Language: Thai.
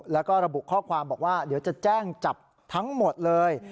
แล้วก็ระบุข้อความบอกว่าเดี๋ยวจะแจ้งจับทั้งหมดเลย